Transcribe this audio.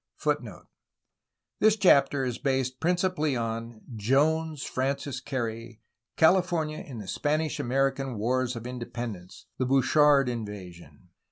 ^' This chapter is based principally on: Jones, Frances Carey. California in the Spanish American wars of independence: the Bouchard in vasion.